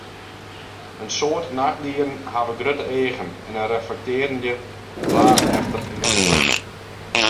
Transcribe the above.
In soad nachtdieren hawwe grutte eagen en in reflektearjende laach efter yn it each.